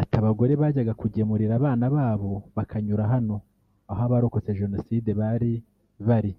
Ati “Abagore bajyaga kugemurira abana babo bakanyura hano aho abarokotse Jenoside bari bari